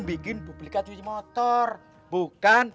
bikin publikat kunci motor bukan